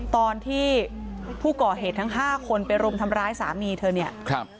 ตอนที่ผู้ก่อเหตุทั้ง๕คนไปรุมทำร้ายสามีเธอเนี่ยครับ